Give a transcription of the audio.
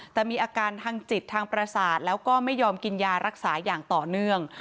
แต่มีอาการทางจิตทางประสาทแล้วก็ไม่ยอมกินยารักษาอย่างต่อเนื่อง